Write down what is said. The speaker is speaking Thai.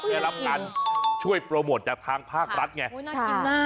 อื้ออิ่มช่วยโปรโมทจากทางภาครัฐไงโอ้โฮน่ากินมาก